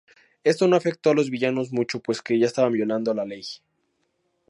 Esto no afectó a los villanos mucho, pues ya estaban violando la ley.